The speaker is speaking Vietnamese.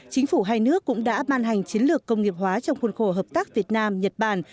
chính phủ hai nước cũng đã ban hành chiến lược công nghiệp hóa trong khuôn khổ hợp tác việt nam nhật bản